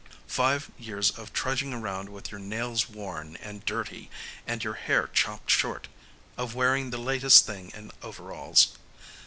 Five years of trudging around with your nails worn and dirty and your hair chopped short, of wearing the latest thing in overalls.